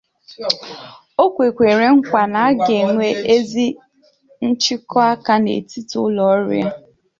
O kwekwara nkwà na a ga-enwe ezi njikọaka n'etiti ụlọọrụ ya